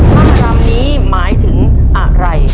ถ้าภารมนี้หมายถึงอะไร